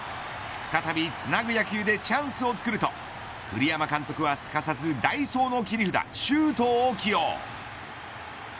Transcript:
再びつなぐ野球でチャンスをつくると栗山監督はすかさず代走の切り札周東を起用。